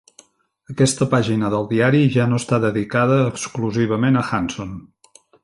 Aquesta pàgina del diari ja no està dedicada exclusivament a Hanson.